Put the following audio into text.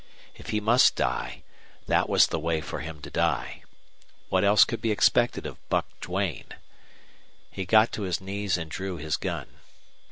If he must die, that was the way for him to die. What else could be expected of Buck Duane? He got to his knees and drew his gun.